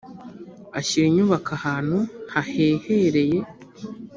ashyira inyubako ahantu hahehereye.